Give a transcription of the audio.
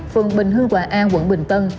phường bình hư hòa a quận bình tân